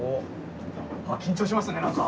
緊張しますね何か。